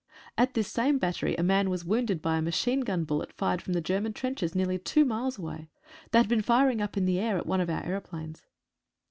At this same battery a man was wounded by a machine gun bullet, fired from the Ger man trenches nearly two miles away. They had been firing up in the air at one of our aeroplanes.